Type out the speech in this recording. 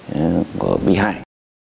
gia đình có bị hại